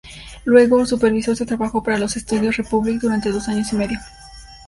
Luego, supervisó este trabajo para los estudios Republic, durante dos años y medio.